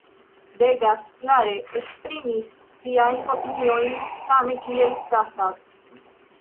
Degas klare esprimis siajn opiniojn, same kiel Cassatt.